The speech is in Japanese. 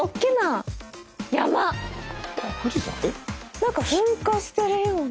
何か噴火してるような。